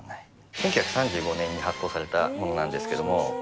１９３５年に発行されたものなんですけど。